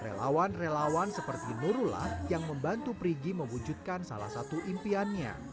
relawan relawan seperti nurullah yang membantu perigi mewujudkan salah satu impiannya